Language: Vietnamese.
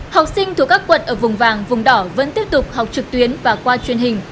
học sinh thuộc các quận ở vùng vàng vùng đỏ vẫn tiếp tục học trực tuyến và qua truyền hình